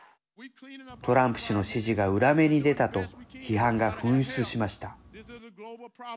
トランプ氏の支持が裏目に出たと批判が噴出しました。